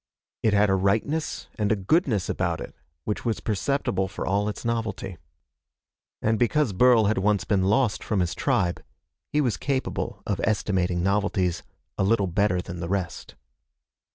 It had a rightness and a goodness about it which was perceptible for all its novelty. And because Burl had once been lost from his tribe, he was capable of estimating novelties a little better than the rest.